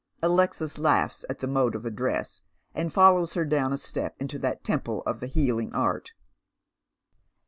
Alexis laughs at the mode of address, and follows her down a step into that temple of the healing art.